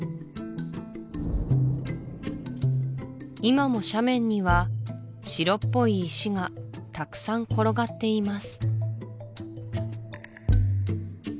今も斜面には白っぽい石がたくさん転がっています